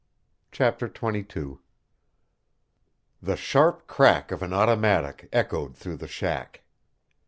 CHAPTER XXII The sharp crack of an automatic echoed through the shack.